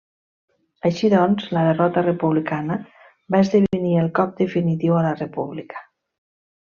Així, doncs, la derrota republicana va esdevenir el cop definitiu a la República.